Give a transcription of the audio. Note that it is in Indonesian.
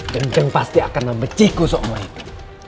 gendeng pasti akan membeciku seumur itu